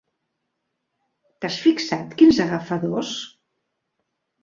T'has fixat quins agafadors?